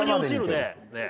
ねえ。